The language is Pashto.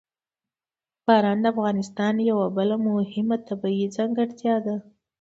باران د افغانستان یوه بله مهمه طبیعي ځانګړتیا ده.